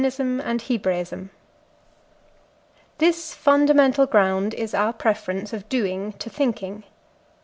CHAPTER IV This fundamental ground is our preference of doing to thinking.